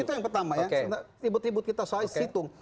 itu yang pertama ya ribut ribut kita saya situng